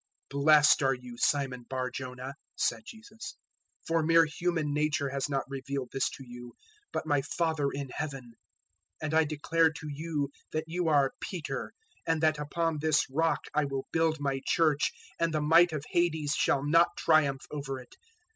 016:017 "Blessed are you, Simon Bar jonah," said Jesus; "for mere human nature has not revealed this to you, but my Father in Heaven. 016:018 And I declare to you that you are Peter, and that upon this Rock I will build my Church, and the might of Hades shall not triumph over it.